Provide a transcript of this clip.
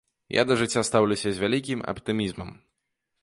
Я да жыцця стаўлюся з вялікім аптымізмам.